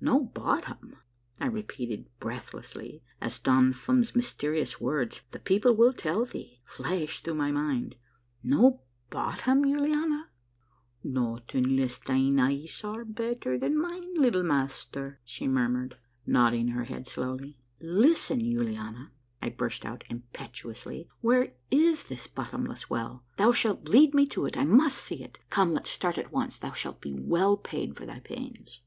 "No bottom?" I repeated breathlessly, as Don Fum's mys terious words, " The people will tell thee !" flashed through my mind. "No bottom, Yuliana?" "Not unless thine eyes are better than mine, little master," she murmured, nodding her head slowly. "Listen, Yuliana," I burst out impetuously, "where is this bottomless well ? Thou shalt lead me to it ; I must see it. Come, let's start at once. Thou shalt be well paid for thy pains."